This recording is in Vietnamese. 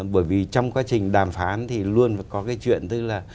bởi vì trong quá trình đàm phán thì luôn có cái chuyện tức là